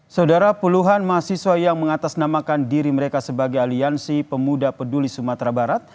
saudara puluhan mahasiswa yang mengatasnamakan diri mereka sebagai aliansi pemuda peduli sumatera barat